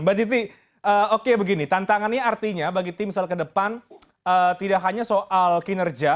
mbak titi oke begini tantangannya artinya bagi tim sel kedepan tidak hanya soal kinerja